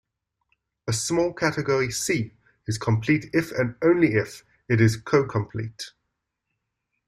A small category "C" is complete if and only if it is cocomplete.